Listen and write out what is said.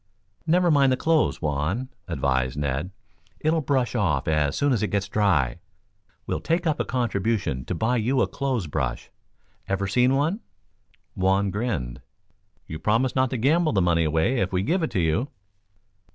"Never mind the clothes, Juan," advised Ned. "It'll brush off as soon as it gets dry. We'll take up a contribution to buy you a clothes brush. Ever see one?" Juan grinned. "You promise not to gamble the money away if we give it to you?"